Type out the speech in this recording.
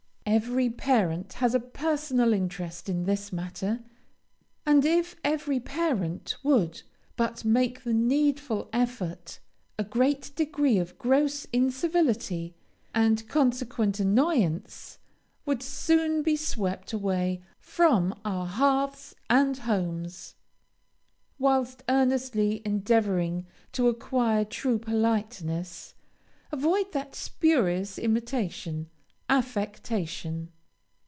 Every parent has a personal interest in this matter; and if every parent would but make the needful effort, a great degree of gross incivility, and consequent annoyance, would soon be swept away from our hearths and homes. Whilst earnestly endeavoring to acquire true politeness, avoid that spurious imitation, affectation.